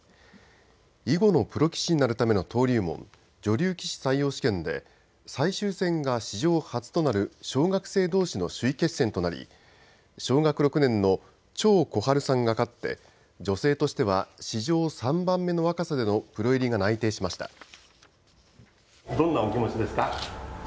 囲碁のプロ棋士になるための登竜門女流棋士採用試験で最終戦が史上初となる小学生どうしの首位決戦となり小学６年の張心治さんが勝って女性としては史上３番目の若さでのプロ入りが内定しました。